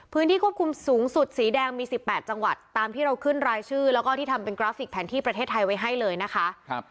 พื้นที่ควบคุมสูงสุดสีแดงมี๑๘จังหวัดตามที่เราขึ้นรายชื่อแล้วก็ที่ทำเป็นกราฟิกแผนที่ประเทศไทยไว้ให้เลยนะคะ